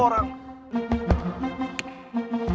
aslin banget tuh orang